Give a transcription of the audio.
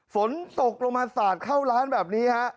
ฝนตกลงมาสาดเข้าร้านแบบนี้ฮะ